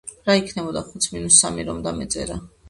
რა იქნებოდა ხუთს მინუს სამი რომ დამეწერა?